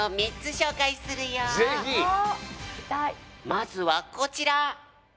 まずはこちら！